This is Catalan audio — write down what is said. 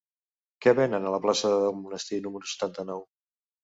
Què venen a la plaça del Monestir número setanta-nou?